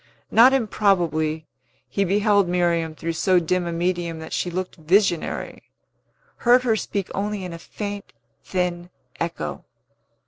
Not improbably, he beheld Miriam through so dim a medium that she looked visionary; heard her speak only in a thin, faint echo.